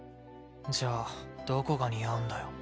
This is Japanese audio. じゃあどこが似合うんだよ？